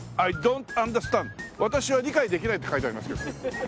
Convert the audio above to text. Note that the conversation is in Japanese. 私は理解できないって書いてありますけど。